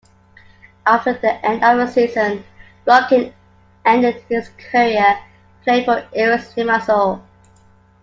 After the end of the season, Blokhin ended his career playing for Aris Limassol.